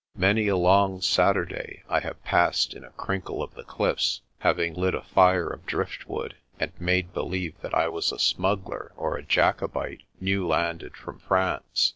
Many a long Saturday I have passed in a crinkle of the cliffs, having lit a fire of ii 12 PRESTER JOHN driftwood, and made believe that I was a smuggler or a Jacobite new landed from France.